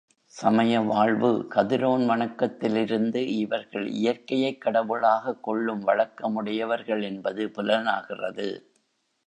சமய வாழ்வு கதிரோன் வணக்கத்திலிருந்து, இவர்கள் இயற்கையைக் கடவுளாகக் கொள்ளும் வழக்கமுடையவர்கள் என்பது புலனாகிறது.